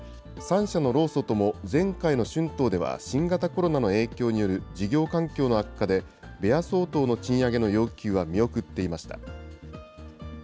３社の労組とも前回の春闘では新型コロナの影響による事業環境の悪化で、ベア相当の賃上げの要求は見送っていました。